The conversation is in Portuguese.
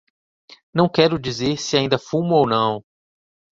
Não quero dizer se ainda fumo ou não.